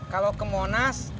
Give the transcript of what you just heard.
kalau ke monas